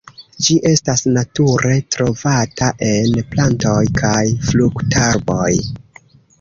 Ĝi estas nature trovata en plantoj kaj fruktarboj.